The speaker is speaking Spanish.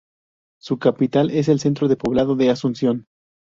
Su capital es el centro poblado de Asunción.